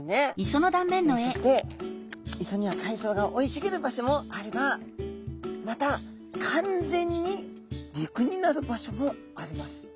そして磯には海藻がおいしげる場所もあればまた完全に陸になる場所もあります。